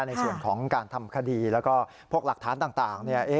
ในส่วนของการทำคดีแล้วก็พวกหลักฐานต่าง